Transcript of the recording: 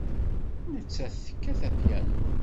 Nettat tekkat apyanu.